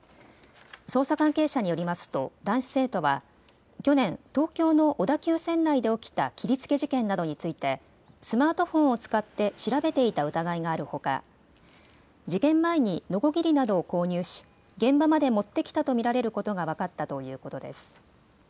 捜査関係者によりますと男子生徒は去年、東京の小田急線内で起きた切りつけ事件などについてスマートフォンを使って調べていた疑いがあるほか事件前にのこぎりなどを購入し現場まで持ってきたと見られることが分かったということです。